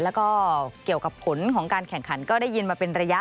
แล้วก็เกี่ยวกับผลของการแข่งขันก็ได้ยินมาเป็นระยะ